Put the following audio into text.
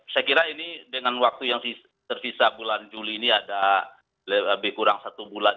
saya kira ini dengan waktu yang tersisa bulan juli ini ada lebih kurang satu bulan